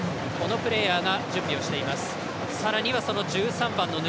このプレーヤーが準備をしています。